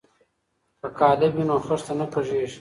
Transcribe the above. که قالب وي نو خښته نه کږیږي.